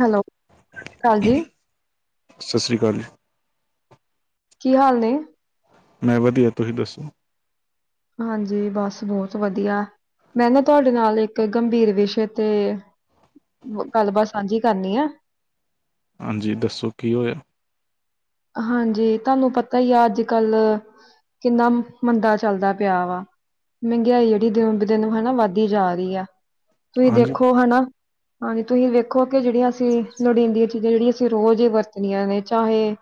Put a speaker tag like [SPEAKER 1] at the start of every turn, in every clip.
[SPEAKER 1] Hello, ਸਤ ਸ੍ਰੀ ਆਕਾਲ ਜੀ।
[SPEAKER 2] ਸਤਿ ਸ਼੍ਰੀ ਅਕਾਲ ਜੀ।
[SPEAKER 1] ਕੀ ਹਾਲ ਨੇ?
[SPEAKER 2] ਮੈਂ ਵਧੀਆ ਤੁਸੀਂ ਦੱਸੋ?
[SPEAKER 1] ਹਾਂਜੀ, ਬਸ ਬਹੁਤ ਵਧੀਆ। ਮੈਂ ਨਾ ਤੁਹਾਡੇ ਨਾਲ ਇੱਕ ਗੰਭੀਰ ਵਿਸ਼ੇ ਤੇ ਗੱਲਬਾਤ, ਸਾਂਝੀ ਕਰਨੀ ਆ।
[SPEAKER 2] ਹਾਂਜੀ, ਦੱਸੋ ਕੀ ਹੋਇਆ?
[SPEAKER 1] ਹਾਂਜੀ, ਤੁਹਾਨੂੰ ਪਤਾ ਹੀ ਆ, ਅੱਜ ਕੱਲ ਕਿੰਨਾ, ਮੰਦਾ ਚੱਲਦਾ ਪਿਆ ਵਾ ਮਹਿੰਗਾਈ ਜਿਹੜੀ ਦਿਨ ਬ ਦਿਨ ਹੈਨਾ ਵੱਧਦੀ ਜਾ ਰਹੀ ਹੈ, ਤੁਸੀਂ
[SPEAKER 2] ਹਾਂਜੀ
[SPEAKER 1] ਦੇਖੋ ਹਨਾ ਹਾਂਜੀ, ਤੁਸੀਂ ਦੇੇਖੋ, ਕਿ ਜਿਹੜੀਆਂ ਅਸੀਂ ਲੋੜੀਂਦੀਆਂ ਚੀਜ਼ਾਂ, ਜਿਹੜੀਆਂ ਅਸੀਂ ਰੋਜ਼ ਹੀ ਵਰਤਣੀਆਂ ਨੇ ਚਾਹੇ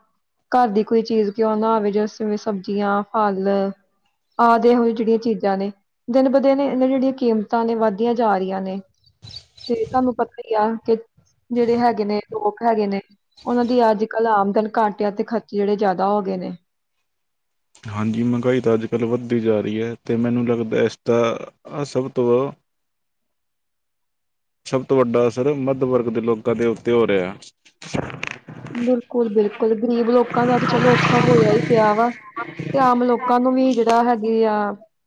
[SPEAKER 1] ਘਰ ਦੀ ਕੋਈ ਚੀਜ਼ ਕਿਉਂ ਨਾ ਹੋਵੇ, ਜਿਵੇਂ ਸਬਜ਼ੀਆਂ, ਫਲ ਆ, ਜ ਇਹੋ, ਜ ਜਿਹੜੀਆਂ ਚੀਜ਼ਾਂ ਨੇ। ਦਿਨ ਬ ਦਿਨ, ਇਹਨਾਂ ਦੀਆਂ, ਜਿਹੜੀਆਂ ਕੀਮਤਾਂ ਨੇ ਵੱਧਦੀਆਂ ਜਾ ਰਹੀਆਂ ਨੇ। ਤੇ ਤੁਹਾਨੂੰ, ਪਤਾ ਹੀ ਆ, ਕਿ ਜਿਹੜੇ ਹੈਗੇ ਨੇ ਲੋਕ ਹੈਗੇ ਨੇ ਉਹਨਾਂ ਦੀ ਅੱਜ -ਕੱਲ੍ਹ, ਆਮਦਨ ਘੱਟ ਆ, ਤੇ ਖਰਚੇ ਜਿਹੜੇ ਜ਼ਿਆਦਾ ਹੋ ਗਏ ਨੇ।
[SPEAKER 2] ਹਾਂਜੀ ਮਹਿੰਗਾਈ ਤਾਂ, ਅੱਜ -ਕੱਲ੍ਹ ਵੱਧਦੀ ਜਾ ਰਹੀ ਹੈ, ਅਤੇ ਮੈਨੂੰ ਲੱਗਦਾ ਇਸਦਾ ਸਭ ਤੋਂ ਸਭ ਤੋਂ ਵੱਡਾ ਅਸਰ, ਮੱਧ ਵਰਗ ਦੇ ਲੋਕਾਂ ਦੇ, ਉੱਤੇ ਹੋ ਰਿਹਾ।
[SPEAKER 1] ਬਿਲਕੁਲ- ਬਿਲਕੁਲ ਗ਼ਰੀਬ ਲੋਕਾਂ ਦਾ, ਤੇ ਚਲੋ ਔਖਾ ਹੋਇਆ ਹੀ ਪਿਆ ਵਾ ਤੇ ਆਮ, ਲੋਕਾਂ ਨੂੰ ਵੀ ਜਿਹੜਾ ਹੈਗੇ ਆ।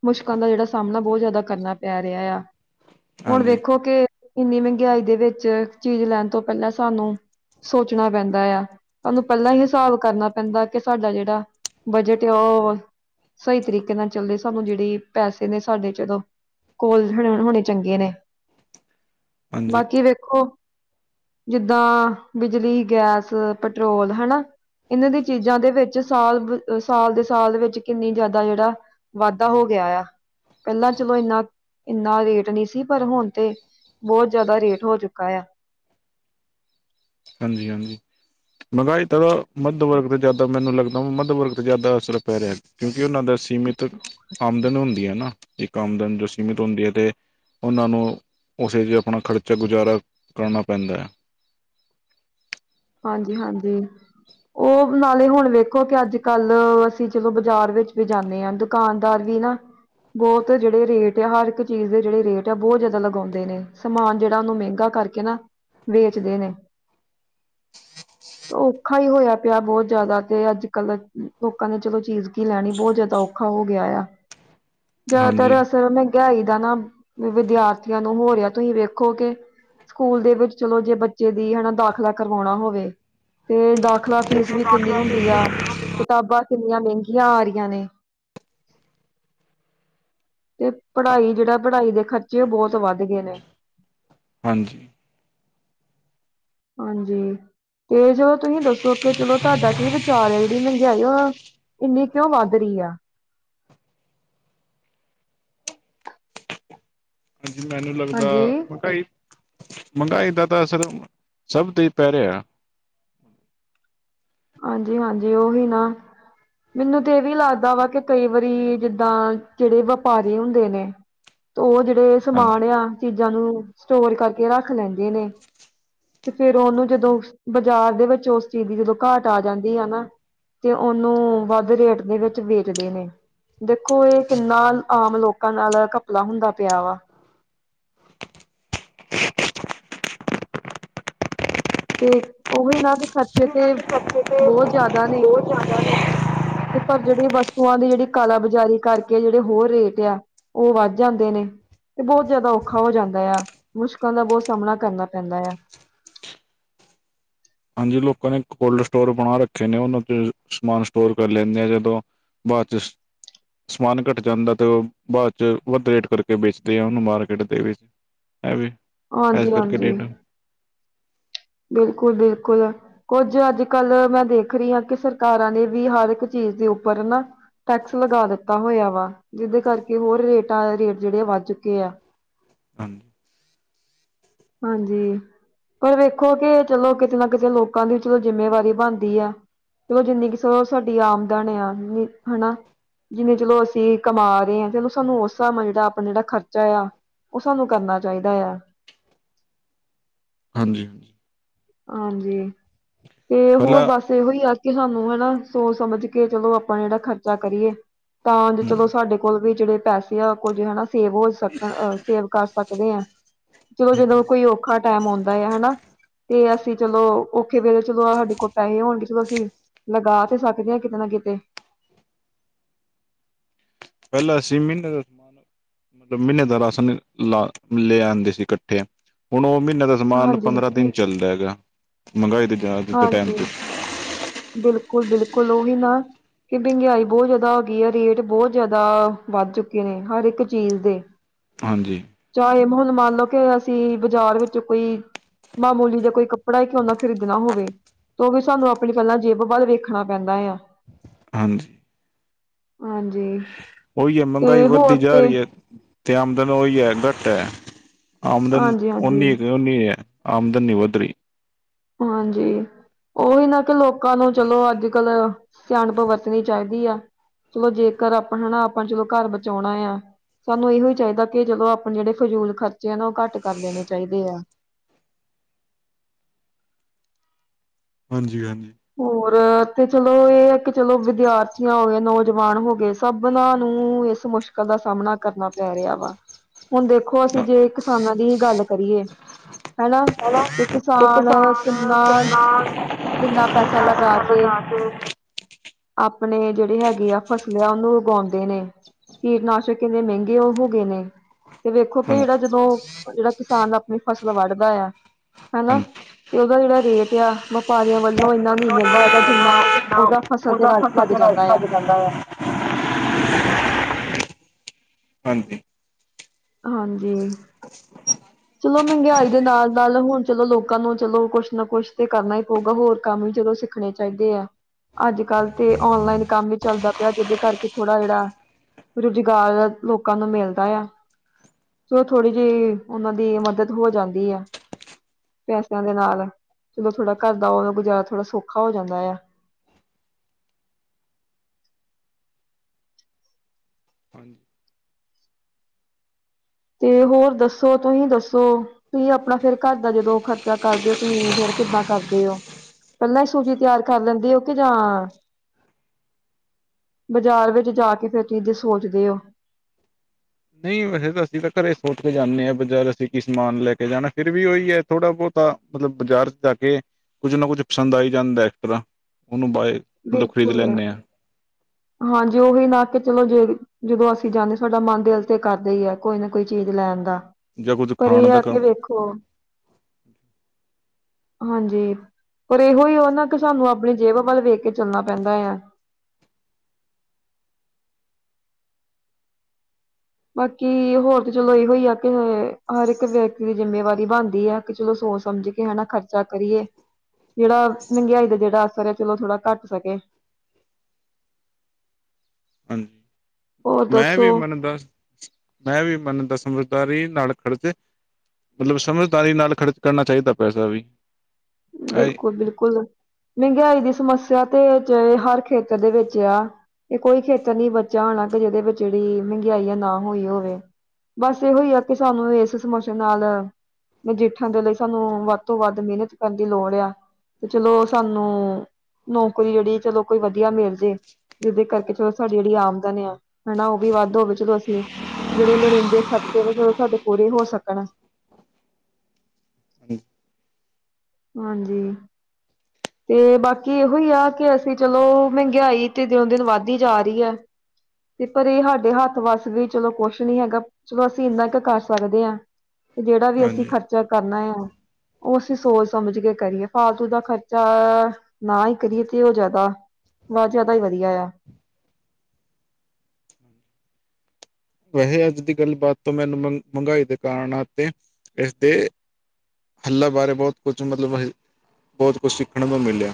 [SPEAKER 1] ਮੁਸ਼ਕਲਾਂ ਦਾ ਜਿਹੜਾ, ਸਾਹਮਣਾ ਬਹੁਤ ਜ਼ਿਆਦਾ ਕਰਨਾ ਪੈ ਰਿਹਾ ਆ, ਹੁਣ
[SPEAKER 2] ਹਾਂਜੀ
[SPEAKER 1] ਵੇਖੋ ਕਿ ਇੰਨੀ ਮਹਿੰਗਾਈ ਦੇ ਵਿੱਚ, ਚੀਜ਼ ਲੈਣ ਤੋਂ ਪਹਿਲਾਂ ਸਾਨੂੰ ਸੋਚਣਾ ਪੈਂਦਾ ਦਾ, ਆ ਸਾਨੂੰ ਪਹਿਲਾਂ ਹੀ, ਹਿਸਾਬ ਕਰਨਾ ਪੈਂਦਾ ਕਿ, ਸਾਡਾ ਜਿਹੜਾ ਬਜਟ ਆ ਉਹ ਸਹੀ ਤਰੀਕੇ ਨਾਲ ਚੱਲੇ, ਸਾਨੂੰ ਜਿਹੜੇ ਪੈਸੇ ਨੇ ਸਾਡੇ, ਚਲੋ ਕੋਲ, ਹੋਣੇ ਚੰਗੇ ਨੇ।
[SPEAKER 2] ਹਾਂਜੀ
[SPEAKER 1] ਬਾਕੀ ਵੇਖੋ, ਜਿੱਦਾਂ ਬਿਜਲੀ, ਗੈਸ ਪੈਟਰੋਲ, ਹਨਾ ਇਹਨਾਂ ਦੀ, ਚੀਜ਼ਾਂ ਦੇ ਵਿੱਚ, ਸਾਲ, ਸਾਲ ਦੇ ਸਾਲ ਦੇ ਵਿੱਚ ਕਿੰਨੀ ਜ਼ਿਆਦਾ ਜਿਹੜਾ ਵਾਧਾ ਹੋ ਗਿਆ ਆ, ਪਹਿਲਾਂ ਚਲੋ ਇੰਨਾ ਇੰਨਾ ਰੇਟ ਨਹੀਂ ਸੀ, ਪਰ ਹੁਣ ਤੇ ਬਹੁਤ, ਜਿਆਦਾ ਰੇਟ ਹੋ ਚੁੱਕਾ ਆ।
[SPEAKER 2] ਹਾਂਜੀ- ਹਾਂਜੀ। ਮਹਿੰਗਾਈ ਦਾ, ਮੱਧ ਵਰਗ ਤੋਂ ਜ਼ਿਆਦਾ ਮੈਨੂੰ ਲੱਗਦਾ ਵਾ ਮੱਧ ਵਰਗ ਤੇ ਜ਼ਿਆਦਾ ਅਸਰ ਪੈ ਰਿਹਾ। ਕਿਉਂਕਿ ਉਹਨਾਂ ਦਾ ਸੀਮਿਤ ਆਮਦਨ ਹੁੰਦੀ ਹੈ ਨਾ, ਇੱਕ ਆਮਦਨ, ਜੋ ਸੀਮਿਤ ਹੁੰਦੀ ਹੈ ਤੇ ਉਹਨਾਂ ਨੂੰ ਉਸੇ ਚ ਆਪਣਾ ਖਰਚਾ, ਗੁਜ਼ਾਰਾ ਕਰਨਾ ਪੈਂਦਾ ਹੈ।
[SPEAKER 1] ਹਾਂਜੀ- ਹਾਂਜੀ। ਉਹ ਨਾਲੇ ਹੁਣ ਵੇਖੋ ਕਿ, ਅੱਜ- ਕੱਲ ਅਸੀਂ ਜਦੋਂ ਬਾਜ਼ਾਰ ਵਿੱਚ ਵੀ ਜਾਂਦੇ ਹਾਂ। ਦੁਕਾਨਦਾਰ, ਵੀ ਨਾ ਬਹੁਤ ਜਿਹੜੇ ਰੇਟ ਹੈ, ਹਰ ਇੱਕ ਚੀਜ਼ ਦੇ ਜਿਹੜੇ ਰੇਟ ਆ, ਬਹੁਤ ਜਿਆਦਾ ਲਗਾਉਂਦੇ ਨੇ, ਸਮਾਨ ਜਿਹੜਾ ਉਹਨੂੰ ਮਹਿੰਗਾ ਕਰਕੇ ਨਾ, ਵੇਚਦੇ ਨੇ। ਔਖਾ ਹੀ ਹੋਇਆ ਪਿਆ, ਬਹੁਤ ਜਿਆਦਾ ਤੇ ਅੱਜ -ਕੱਲ ਲੋਕਾਂ ਨੇ ਚਲੋ ਚੀਜ਼ ਕੀ ਲੈਣੀ, ਬਹੁਤ ਜ਼ਿਆਦਾ ਔਖਾ ਔਖਾ ਹੋ ਗਿਆ ਆ,
[SPEAKER 2] ਹਾਂਜੀ
[SPEAKER 1] ਜ਼ਿਆਦਾਤਰ ਅਸਰ ਈ ਦਾ ਨਾ ਵਿਦਿਆਰਥੀਆਂ ਨੂੰ ਹੋਰਹਾ ਤੁਸੀਂ ਵੇਖੋ ਕਿ ਸਕੂਲ ਦੇ ਵਿੱਚ ਚਲੋ ਜੇ ਬੱਚੇ ਦੀ ਹਨਾ ਦਾਖਲਾ ਕਰਵਾਉਣਾ ਹੋਵੇ ਤੇ ਦਾਖਲਾ ਫੀਸ ਵੀ ਕਿੰਨੀ ਹੁੰਦੀ ਆ ਕਿਤਾਬਾਂ ਕਿੰਨੀਆਂ ਮਹਿੰਗੀਆਂ ਆ ਰਹੀਆਂ ਨੇ ਤੇ ਪੜ੍ਹਾਈ ਜਿਹੜਾ ਪੜ੍ਹਾਈ ਦੇ ਖਰਚੇ ਉਹ ਬਹੁਤ ਵੱਧ ਗਏ ਨੇ
[SPEAKER 2] ਹਾਂਜੀ।
[SPEAKER 1] ਹਾਂਜੀ, ਤੇ ਚਲੋ, ਤੁਸੀਂ ਦੱਸੋ ਕਿ, ਚਲੋ ਤੁਹਾਡਾ ਕੀ ਵਿਚਾਰ ਹੈ? ਜਿਹੜੀ ਮਹਿੰਗਾਈ ਵਾ ਇੰਨੀ, ਕਿਉਂ ਵੱਧ ਰਹੀ ਆ?
[SPEAKER 2] ਹਾਂਜੀ, ਮੈਨੂੰ ਲੱਗਦਾ
[SPEAKER 1] ਹਾਂਜੀ
[SPEAKER 2] ਮਹਿੰਗਾਈ ਮਹਿੰਗਾਈ ਦਾ ਤਾਂ, ਅਸਰ ਸਭ ਤੇ ਹੀ ਪੈ ਰਿਹਾ।
[SPEAKER 1] ਹਾਂਜੀ -ਹਾਂਜੀ, ਉਹੀ ਨਾ। ਮੈਨੂੰ ਤੇ ਇਹ ਵੀ ਲੱਗਦਾ ਵਾ, ਕਿ ਕਈ ਵਾਰੀ ਜਿੱਦਾਂ ਜਿਹੜੇ ਵਪਾਰੀ ਹੁੰਦੇ ਨੇ ਉਹ ਜਿਹੜੇ
[SPEAKER 2] ਹਾਂਜੀ।
[SPEAKER 1] ਸਮਾਨ ਆ, ਚੀਜ਼ਾਂ ਨੂੰ ਸਟੋਰ ਕਰਕੇ ਰੱਖ ਲੈਂਦੇ ਨੇ। ਤੇ ਫਿਰ ਉਹਨੂੰ, ਜਦੋਂ ਬਾਜ਼ਾਰ ਦੇ ਵਿੱਚ ਉਸ ਚੀਜ਼ ਦੀ, ਜਦੋਂ ਘਾਟ ਆ ਜਾਂਦੀ ਹੈ ਨਾ ਤੇ, ਉਹਨੂੰ ਵੱਧ ਰੇਟ ਦੇ ਵਿੱਚ ਵੇਚਦੇ ਨੇ। ਦੇਖੋ, ਇਹ ਕਿੰਨਾ ਆਮ ਲੋਕਾਂ ਨਾਲ ਘਪਲਾ ਹੁੰਦਾ ਪਿਆ ਵਾ ਤੇ ਹੀ ਨਾ ਦੇ ਖਰਚੇ ਤੇ
[SPEAKER 2] ਹਫ਼ਤੇ ਤੇ
[SPEAKER 1] ਬਹੁਤ ਜ਼ਿਆਦਾ ਨੇ
[SPEAKER 2] ਬਹੁਤ ਜ਼ਿਆਦਾ ਨੇ।
[SPEAKER 1] ਤੇ ਪਰ ਜਿਹੜੀ ਵਸਤੂਆਂ ਦੀ ਜਿਹੜੀ ਕਾਲਾਾਬਜ਼ਾਰੀ ਕਰਕੇ ਜਿਹੜੇ ਹੋਰ ਰੇਟ ਆ ਉਹ ਵੱਧ ਜਾਂਦੇ ਨੇ ਤੇ ਬਹੁਤ ਜ਼ਿਆਦਾ ਔਖਾ ਹੋ ਜਾਂਦਾ ਆ ਮੁਸ਼ਕਲਾਂ ਦਾ ਬਹੁਤ ਸਾਹਮਣਾ ਕਰਨਾ ਪੈਂਦਾ ਆ
[SPEAKER 2] ਹਾਂਜੀ ਲੋਕਾਂ ਨੇ ਕੋਲਡ ਸਟੋਰ ਬਣਾ ਰੱਖੇ ਨੇ ਉਹਨ ਤੇ ਸਮਾਨ ਸਟੋਰ ਕਰ ਲੈਂਦੇ ਆ ਜਦੋਂ ਵਹੁਚਸ ਸਮਾਨ ਘੱਟ ਜਾਂਦਾ ਤੇ ਉਹ ਬਾਅਦ ਚ ਵੱਧ ਰੇਟ ਕਰਕੇ ਵੇਚਦੇ ਆ ਉਹਨੂੰ ਮਾਰਕੀਟ ਦੇ ਵਿੱਚ ਹੈ ਵੀ ਇਸ
[SPEAKER 1] ਹਾਂਜੀ
[SPEAKER 2] ਕਰਕੇ
[SPEAKER 1] ਹਾਂਜੀ
[SPEAKER 2] ਡੇਟ
[SPEAKER 1] ਬਿਲਕੁਲ ਬਿਲਕੁਲ ਕੁੱਝ ਅੱਜ ਕੱਲ ਮੈਂ ਦੇਖ ਰਹੀ ਹਾਂ ਕਿ ਸਰਕਾਰਾਂ ਨੇ ਵੀ ਹਰ ਇੱਕ ਚੀਜ਼ ਦੇ ਉੱਪਰ ਨਾ ਟੈਕਸ ਲਗਾ ਦਿੱਤਾ ਹੋਇਆ ਵਾ ਜਿਹਦੇ ਕਰਕੇ ਹੋਰ ਰੇਟਾਂ ਰੇਟ ਜਿਹੜੇ ਆ ਵੱਧ ਚੁੱਕੇ ਆ
[SPEAKER 2] ਹਾਂਜੀ
[SPEAKER 1] ਹਾਂਜੀ ਪਰ ਵੇਖੋ ਕਿ ਚਲੋ ਕਿਤੇ ਨਾ ਕਿਤੇ ਲੋਕਾਂ ਦੀ ਚਲੋ ਜਿੰਮੇਵਾਰੀ ਬਣਦੀ ਆ ਚੋ ਜਿੰਨੀ ਕੁ ਸਾਡੀ ਆਮਦਨ ਆ ਹਨਾ ਜਿਵੇਨੇ ਚਲੋ ਅਸੀਂ ਕਮਾ ਰਹੇ ਹਾਂ ਤੇ ਉਹ ਸਾਨੂੰ ਉਸ ਹਿਸਾਬ ਨਾਲ ਜਿਹੜਾ ਆਪਣਾ ਜਿਹੜਾ ਖਰਚਾ ਆ ਉਹ ਸਾਨੂੰ ਕਰਨਾ ਚਾਹੀਦਾ ਆ
[SPEAKER 2] ਹਾਂਜੀ ਹਾਂਜੀ
[SPEAKER 1] ਹਾਂਜੀ ਤੇ ਹੋਰ
[SPEAKER 2] ਪਹਿਲਾਂ
[SPEAKER 1] ਬਸ ਇਹੋ ਹੀ ਆ ਕੇ ਸਾਨੂੰ ਹਨਾ ਸੋਚ ਸਮਝ ਕੇ ਚਲੋ ਆਪਾਂ ਜਿਹੜਾ ਖਰਚਾ ਕਰੀਏ ਤਾਂ ਚਲੋ ਸਾਡੇ ਕੋਲ ਵੀ ਜਿਹੜੇ ਪੈਸੇ ਆ ਉਹ ਕੁੱਝ ਹਨਾ ਸੇਵ ਹੋ ਸਕਣ ਸੇਵ ਕਰ ਸਕਣ ਦੇ ਆ ਚਲੋ ਜਦੋਂ ਕੋਈ ਔਖਾ ਟਾਈਮ ਆਉਂਦਾ ਆ ਹਨਾ ਤੇ ਅਸੀਂ ਚਲੋ ਔਖੇ ਵੇਲੇ ਚਲੋ ਸਾਡੇ ਕੋਲ ਪੈਸੇ ਹੋਣਗੇ ਚਲੋ ਅਸੀਂ ਲਗਾ ਤੇ ਸਕਦੇ ਹ ਕਿਤੇ ਨਾ ਕਿਤੇ
[SPEAKER 2] ਪਹਿਲਾਂ ਅਂ ਮਹੀਨ ਦ ਮਤਲਬ ਮਹੀਨੇ ਦਾ ਰਾਸ਼ਨ ਲਾ ਲੈ ਆਉਂਦੇ ਸੀ ਇਕੱਠੇ ਹੁਣ ਉਹ ਮਹੀਨੇ ਦਾ ਸਮਾਨ
[SPEAKER 1] ਹਾਂਜੀ
[SPEAKER 2] ਪੰਦਰਾਂ ਦਿਨ ਚੱਲਦਾ ਹੈਗਾ ਮਹਿੰਗਾਈ ਦੇਜ ਦੇ ਟਾਈਮ
[SPEAKER 1] ਹਾਂਜੀ
[SPEAKER 2] ਤੇ
[SPEAKER 1] ਬਿਲਕੁਲ ਬਿਲਕੁਲ ਉਹੀ ਨਾ ਕਿ ਮਹਿੰਗਾਈ ਬਹੁਤ ਜਿਆਦਾ ਹੋ ਗਈ ਆ ਰੇਟ ਬਹੁਤ ਜ਼ਿਆਦਾ ਵੱਧ ਚੁੱਕੇ ਨੇ ਹਰ ਇੱਕ ਚੀਜ਼ ਦੇ
[SPEAKER 2] ਹਾਂਜੀ
[SPEAKER 1] ਚਾਹੇ ਮਹੱਲ ਮੰਨ ਲੋਓ ਕਿ ਅਸੀਂ ਬਾਜ਼ਾਰ ਵਿੱਚ ਕੋਈ ਮਾਮੂਲੀ ਜਾਂ ਕੋਈ ਕੱਪੜਾ ਹੀ ਕਿਉਂਨਾ ਖਰੀਦਣਾ ਹੋਵੇ ਤਾਂ ਉਹ ਵੀ ਸਾਨੂੰ ਆਪਣੀ ਪਹਿਲਾਂ ਜੇਬ ਵੱਲ ਵੇਖਣਾ ਪੈਂਦਾ ਆ
[SPEAKER 2] ਹਾਂਜੀ-
[SPEAKER 1] ਹਾਂਜੀ
[SPEAKER 2] ਉਇਓ, ਮਹਿੰਗਾਈ
[SPEAKER 1] ਤੇ ਹੋਰ
[SPEAKER 2] ਵੱਧਦੀ ਜਾ
[SPEAKER 1] ਤੇ
[SPEAKER 2] ਰੀ ਹੈ ਤੇ ਆਮਦਨ ਉਹੀ ਹੈ, ਘੱਟ ਹੈ, ਆਮਦਨ
[SPEAKER 1] ਹਾਂਜੀ ਹਾਂਜੀ
[SPEAKER 2] ਓਨੀ -ਓਨੀ ਹੈ ਆਮਦਨ‌ ਨੀ, ਵੱਧ ਰੀ
[SPEAKER 1] ਹਾਂਜੀ ਉਹੀ ਨਾ ਕਿ ਲੋਕਾਂ ਨੂੰ ਚਲੋ ਅੱਜ ਕੱਲ ਸਿਆਣਪ ਵਰਤਣੀ ਚਾਹੀਦੀ ਆ ਚਲੋ ਜੇਕਰ ਆਪਾਂ ਹਨਾ ਆਪਾਂ ਚਲੋ ਘਰ ਬਚਾਉਣਾ ਆ ਸਾਨੂੰ ਇਹੋ ਹੀ ਚਾਹੀਦਾ ਕਿ ਚਲੋ ਆਪਣੇ ਜਿਹੜੇ ਫਜੂਲ ਖਰਚੇ ਆ ਨਾ ਉਹ ਘੱਟ ਕਰ ਲੈਣੇ ਚਾਹੀਦੇ ਆ
[SPEAKER 2] ਹਾਂਜੀ ਹਾਂਜੀ
[SPEAKER 1] ਹੋਰ ਤੇ ਚਲੋ ਇਹ ਇੱਕ ਚਲੋ ਵਿਦਿਆਰਥੀਆਂ ਹੋ ਗਏ ਨੌਜਵਾਨ ਹੋ ਗਏ ਸਭਨਾਂ ਨੂੰ ਇਸ ਮੁਸ਼ਕਿਲ ਦਾ ਸਾਹਮਣਾ ਕਰਨਾ ਪੈ ਰਿਹਾ ਵਾ ਹੁਣ ਦੇਖੋ ਅਸੀਂ
[SPEAKER 2] ਹਾਂ
[SPEAKER 1] ਜੇ ਕਿਸਾਨਾਂ ਦੀ ਹੀ ਗੱਲ ਕਰੀਏ ਹਨਾ ਤੇ ਕਿਸਾਨ
[SPEAKER 2] ਕਿਸਾਨ
[SPEAKER 1] ਕਿੰਨਾ
[SPEAKER 2] ਕਿੰਨਾ
[SPEAKER 1] ਕਿੰਨਾ ਪੈਸਾ ਲਗਾ ਕੇ ਆਪਣੇ ਜਿਹੜੇ ਹੈਗੇ ਆ ਫਸਲ ਆ ਉਹਨੂੰ ਉਗਾਉਂਦੇ ਨੇ ਕੀਟਨਾਸ਼ਕ ਇੰਨੇ ਮਹਿੰਗੇ ਉਹ ਹੋ ਗਏ ਨੇ ਤੇ ਵੇਖੋ ਕਿ ਜਿਹੜਾ
[SPEAKER 2] ਹਾਂਜੀ
[SPEAKER 1] ਜਦੋਂ ਜਿਹੜਾ ਕਿਸਾਨ ਆਪਣੀ ਫਸਲ ਵੱਢਦਾ ਆ ਹਨਾ ਤੇ ਓਦਾ ਜੇੜਾ ਰੇਟ ਆ, ਵਪਾਰੀਆਂ
[SPEAKER 2] ਹਾਂਜੀ
[SPEAKER 1] ਇੰਨਾ ਨਹੀਂ ਮਿਲਦਾ ਹੈਗਾ, ਜਿੰਨਾ ਓਦਾ ਫਸਲ ਤੇ
[SPEAKER 2] ਉਹਦਾ ਫਸਲ
[SPEAKER 1] ਲੱਗ
[SPEAKER 2] ਜਿਹੜਾ
[SPEAKER 1] ਜਾਂਦਾ।
[SPEAKER 2] [unintelligible] [unintelligible]
[SPEAKER 1] ਹਾਂਜੀ ਚਲੋ, ਮਹਿੰਗਾਈ ਦੇ ਨਾਲ ਨਾਲ ਹੁਣ, ਚਲੋ ਲੋਕਾਂ ਨੂੰ, ਚਲੋ ਕੁੱਛ ਨਾ ਕੁਛ ਤੇ ਕਰਨਾ ਹੀ ਪਊਗਾ, ਹੋਰ ਕੰਮ ਵੀ ਜਦੋ ਰਖਣੇ ਚਾਹੀਦੇ ਐ, ਅੱਜ-ਕੱਲ ਤੇ ਔਨਲਾਈਨ ਕੰਮ ਹੀ ਚੱਲਦਾ ਪਿਆ, ਜਿਹਦੇ ਕਰਕੇ ਥੋੜ੍ਹਾ ਜਿਹੜਾ ਰੁਜ਼ਗਾਰ, ਲੋਕਾਂ ਨੂੰ ਮਿਲਦਾ ਆ ਤੇ ਥੋੜ੍ਹੀ ਜੀ--ਓਹਨਾਂ ਦੀ ਮਦਦ ਹੋ ਜਾਂਦੀ ਹੈ। ਪੈਸਿਆਂ ਦੇ ਨਾਲ, ਜਦੋਂ ਥੋੜਾ ਘਰ ਦਾ ਓ ਗੁਜ਼ਾਰਾ ਥੋੜਾ ਸੌਖਾ ਹੋ ਜਾਂਦਾ ਆ
[SPEAKER 2] ਹਾਂਜੀ
[SPEAKER 1] ਤੇ ਹੋਰ ਦੱਸੋ, ਤੁਹੀਂ ਦੱਸੋ ਤੁਹੀਂ ਆਪਣਾ ਫੇਰ ਘਰ ਦਾ ਜਦੋਂ ਖ਼ਰਚਾ ਕਰਦੇ ਹੋ, ਤੁਹੀਂ ਫੇਰ ਕਿੱਦਾਂ ਕਰਦੇ ਹੋ? ਪਹਿਲਾਂ ਹੀ ਸੂਜੀ ਤਿਆਰ ਕਰ ਲੈਂਦੇ ਹੋ, ਕਿ ਜਾਂ ਬਜ਼ਾਰ ਵਿੱਚ ਜਾ ਕੇ ਫਿਰ ਚੀਜ਼ ਸੋਚਦੇ ਹੋ?
[SPEAKER 2] ਨਹੀਂ, ਵੈਸੇ ਤਾਂ ਅਸੀਂ ਤਾਂ ਘਰੇ ਸੋਚ ਕੇ ਜਾਂਨੇ ਆਂ ਬਜ਼ਾਰ ਅਸੀਂ ਕੀ ਸਮਾਨ ਲੈ ਕੇ ਜਾਣੈ? ਫੇਿਰ ਵੀ ਉਹੀ ਹੈ ਥੋੜ੍ਹਾ ਬਹੁਤਾ, ਮਤਲਬ ਬਾਜ਼ਾਰ ਚ ਜਾ ਕੇ ਕੁੱਝ ਨਾ ਕੁੱਝ ਪਸੰਦ ਆਈ ਜਾਂਦਾ ਓਨੂੰ ਬਾਏ ਮਤਲਬ ਖਰੀਦ
[SPEAKER 1] ਬਿਲਕੁਲ
[SPEAKER 2] ਲੈਂਦੇ ਹਾਂ
[SPEAKER 1] ਹੈ--ਹਾਂਜੀ ਉਹ ਵੀ ਨਾ ਕੇ ਚਲੋ ਜੇ ਜਦੋਂ ਅਸੀਂ ਜਾਂਦੇ ਸਾਡਾ ਮਨ ਦਿਲ ਤੇ ਕਰਦੇ ਹੀ ਹੈ, ਕੋਈ ਨਾ ਕੋਈ ਚੀਜ਼ ਲੈਣ ਦਾ
[SPEAKER 2] ਜਾਂ ਕੁੱਝ
[SPEAKER 1] ਪਰ ਏ,
[SPEAKER 2] ਖਾਣ ਦਾ
[SPEAKER 1] ਆ ਕੇ
[SPEAKER 2] ਕੰਮ
[SPEAKER 1] ਵੇਖੋ ਹਾਂਜੀ, ਪਰ ਇਹੋ ਹੀ ਓਨਾ ਕਿ ਸਾਨੂੰ ਆਪਣੀ ਜੇਬ ਵੱਲ ਵੇਖ ਕੇ ਚੱਲਣਾ ਪੈਂਦਾ ਆ ਬਾਕੀ--ਹੋਰ ਤਾਂ ਚਲੋ ਇਹੋ ਹੀ ਆ ਕਿ, ਹਰ ਇੱਕ ਵਿਅਕਤੀ ਦੀ ਜਿੰਮੇਵਾਰੀ ਬਣਦੀ ਹੈ, ਕਿ ਚਲੋ ਸੋਚ ਸਮਝ ਕੇ ਕੇ ਹੈ ਨਾ, ਖਰਚਾ ਕਰੀਏ, ਜਿਹੜਾ ਮਹਿੰਗਾਈ ਦਾ ਜਿਹੜਾ ਅਸਰ ਹੈ, ਚਲੋ ਥੋੜਾ ਘੱਟ ਸਕੇ
[SPEAKER 2] ਹਾਂਜੀ
[SPEAKER 1] ਹੋਰ
[SPEAKER 2] ਮੈਂ ਵੀ
[SPEAKER 1] ਦੱਸੋ
[SPEAKER 2] ਮੈਨ ਦੱਸ ਮੈਂ ਵੀ ਮੰਨਦਾ ਸਮਝਦਾਰੀ ਨਾਲ ਖਰਚੇ ਮਤਲਬ, ਸਮਝਦਾਰੀ ਨਾਲ ਖਰਚ ਕਰਨਾ ਚਾਹੀਦਾ ਪੈਸਾ ਵੀ ਆਏ-
[SPEAKER 1] ਬਿਲਕੁਲ, ਬਿਲਕੁਲ ਮਹਿੰਗਾਈ ਦੀ ਸਮੱਸਿਆ ਤੇ ਹਰ ਖੇਤਰ ਦੇ ਵਿੱਚ ਆ ਏ ਕੋਈ ਖੇਤਰ ਨੀ ਬੱਚਾ ਹੋਣਾੱ, ਕਿ ਜਿਹਦੇ ਵਿੱਚ ਜਿਹੜੀ ਮਹਿੰਗਾਈਆਂ ਨਾ ਹੋਈ ਹੋਵੇ ਬਸ, ਇਹੋ ਹੀ ਆ ਕਿ, ਸਾਨੂੰ ਇਸ ਸਮੱਸਿਆ ਨਾਲ ਨਜਿਠਣ ਦੇ ਲਈ, ਸਾਨੂੰ ਵੱਧ ਤੋਂ ਵੱਧ ਮਿਹਨਤ ਕਰਨ ਦੀ ਲੋੜ ਆ। ਤੇ ਚਲੋ, ਸਾਨੂੰ ਨੌਕਰੀ ਜਿਹੜੀ ਚਲੋ ਕੋਈ ਵਧੀਆ ਮਿਲ ਜੇ ਜਿਹਦੇ ਕਰਕੇ ਚਲੋ ਸਾਡੀ ਜਿਹੜੀ ਆਮਦਨ ਆ, ਹਨਾ ਉਹ ਵੀ ਵੱਧ ਹੋਵੇ, ਚਲੋ ਅਸੀਂ ਜਿਹੜੇ ਲੋੜੀਂਦੇ ਖਰਚੇ ਨੇ, ਜੌ ਤੁਹਾਡੇ ਪੂਰੇ ਹੋ ਸਕਣ। ਹਾਂਜੀ ਤੇ ਬਾਕੀ ਇਹੋ ਹੀ ਆ, ਕਿ ਅਸੀਂ ਚਲੋ ਮਹਿੰਗਾਈ ਤੇ ਦਿਨੋ ਦਿਨ ਵੱਧਦੀ ਹੀ ਜਾ ਰਹੀ ਹੈ। ਤੇ ਪਰ ਇਹ ਸਾਡੇ ਹੱਥ ਵਸ ਵੀ ਚਲੋ ਕੁਛ ਨੀ ਹੈਗਾ ਚਲੋ ਅਸੀਂ ਇੰਨਾ ਕੁ ਕਰ ਸਕਦੇ ਹਾਂ ਤੇ ਜਿਹੜਾ ਵੀ ਅਸੀਂ
[SPEAKER 2] ਹਾਂਜੀ
[SPEAKER 1] ਖਰਚਾ ਕਰਨਾ ਆ ਉਹ ਅਸੀਂ ਸੋਚ ਸਮਝ ਕੇ ਕਰੀਏ, ਫਾਲਤੂ ਦਾ ਖਰਚਾ ਨਾ ਹੀ ਕਰੀਏ ਤੇ ਉਹ ਜ਼ਿਆਦਾ ਬੋਤ ਜ਼ਿਆਦਾ ਹੀ ਵਧੀਆ ਆ।
[SPEAKER 2] ਵੈਸੇ -ਅੱਜ ਦੀ ਗੱਲ ਬਾਤ ਤੋਂ ਮੈਨੂੰ, ਮਹਿੰਗਾਈ ਦੇ ਕਾਰਨ ਤੇ ਇਸਦੇ ਹੱਲ ਬਾਰੇ, ਬੋਤ ਕੁਛ ਮਤਲਬ, ਬੋਤ ਕੁਛ ਸਿੱਖਣ ਨੂੰ ਮਿਲਿਆ।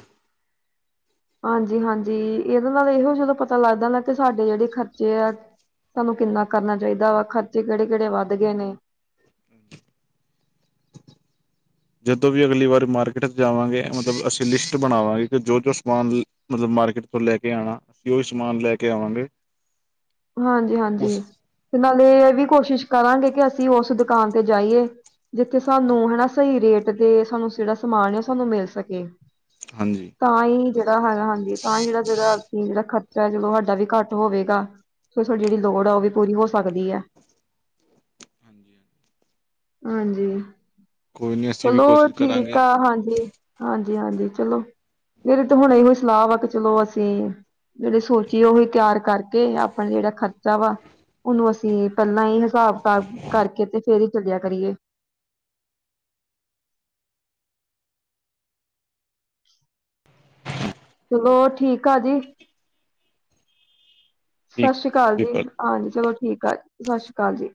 [SPEAKER 1] ਹਾਂਜੀ-ਹਾਂਜੀ, ਇਹਦੇ ਨਾਲ ਇਹੋ ਜਦੋਂ ਪਤਾ ਲੱਗਦਾ ਨਾ, ਕਿ ਸਾਡੇ ਜਿਹੜੇ ਖਰਚੇ ਆ ਸਾਨੂੰ ਕਿੰਨਾ ਕਰਨਾ ਚਾਹੀਦਾ ਵਾ। ਖਰਚੇ ਕਿਹੜੇ ਕਿਹੜੇ ਵੱਧ ਗਏ ਨੇ
[SPEAKER 2] ਜਦੋਂ ਵੀ ਅਗਲੀ ਵਾਰੀ ਮਾਰਕੀਟ ਜਾਵਾਂਗੇ, ਮਤਲਬ ਅਸੀਂ ਲਿਸਟ ਬਣਾਵਾਂਗੇ, ਕਿ ਜੋ ਜੋ ਸਮਾਨ ਮਤਲਬ ਮਾਰਕੀਟ ਤੋਂ ਲੈ ਕੇ ਆਣਾ। ਅਸੀਂ ਉਹੀ ਸਮਾਨ ਲੈ ਕੇ ਆਵਾਂਗੇ
[SPEAKER 1] ਹਾਂਜੀ ਹਾਂਜੀ
[SPEAKER 2] ਉਸ
[SPEAKER 1] ਤੇ ਨਾਲੇ ਇਹ ਵੀ ਕੋਸ਼ਿਸ਼ ਕਰਾਂਗੇ ਕਿ ਅਸੀਂ ਉਸ ਦੁਕਾਨ ਤੇ ਜਾਈਏ ਜਿੱਥੇ ਸਾਨੂੰ ਹਨਾ ਸਹੀ ਰੇਟ ਤੇ ਸਾਨੂੰ ਜਿਹੜਾ ਸਮਾਨ ਆ ਉਹ ਸਾਨੂੰ ਮਿਲ ਸਕੇ
[SPEAKER 2] ਹਾਂਜੀ
[SPEAKER 1] ਤਾਂ ਹੀ ਜਿਹੜਾ ਹੈਗਾ ਹਾਂਜੀ ਤਾਂ ਹੀ ਜਿਹੜਾ ਜਿਹੜਾ ਤਿੰਨ ਦਾ ਖਰਚਾ ਜਦੋ ਸਾਡਾ ਵੀ ਘੱਟ ਹੋਵੇਗਾ ਸਾਡੀ ਜਿਹੜੀ ਲੋੜ ਹੈ ਉਹ ਵੀ ਪੂਰੀ ਹੋ ਸਕਦੀ ਹੈ।
[SPEAKER 2] ਹਾਂਜੀ ਹਾਂਜੀ
[SPEAKER 1] ਹਾਂਜੀ,
[SPEAKER 2] ਕੋਈ ਨਹੀਂ ਅਸੀਂ ਵੀ
[SPEAKER 1] ਚਲੋ
[SPEAKER 2] ਕੋਸ਼ਿਸ਼
[SPEAKER 1] ਠੀਕ
[SPEAKER 2] ਕਰਾਂਗੇ
[SPEAKER 1] ਆ ਹਾਂਜੀ ਹਾਂਜੀ ਹਾਂਜੀ ਚਲੋ ਮੇਰੇ ਤੇ ਹੁਣ ਇਹੋ ਹੀ ਸਲਾਹ ਵਾ ਕਿ ਚਲੋ ਅਸੀਂ ਜਿਹੜੀ ਸੋਚੀਏ ਉਹੀ ਤਿਆਰ ਕਰਕੇ ਆਪਣਾ ਜਿਹੜਾ ਖਰਚਾ ਵਾ ਉਹਨੂੰ ਅਸੀਂ ਪਹਿਲਾਂ ਹੀ ਹਿਸਾਬ ਕਿਤਾਬ ਕਰਕੇ ਤੇ ਫੇਰ ਹੀ ਚੱਲਿਆ ਕਰੀਏ ਚਲੋ ਠੀਕ ਆ ਜੀ। ਸਤਿ ਸ੍ਰੀ ਅਕਾਲ ਜੀ ਹਾਂਜੀ ਚਲੋ ਠੀਕ ਆ ਸਤਿ ਸ਼੍ਰੀ ਅਕਾਲ ਜੀ